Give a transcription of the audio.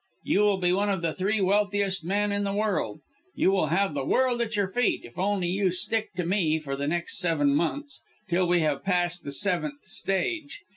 You will be one of the three wealthiest men in the world you will have the world at your feet, if only you stick to me for the next seven months: till we have passed the seventh stage.